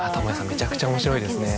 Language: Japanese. めちゃくちゃ面白いですね